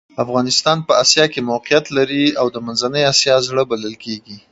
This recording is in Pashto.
افغانستان په آسیا کې موقعیت لري او د منځنۍ آسیا زړه بلل کیږي.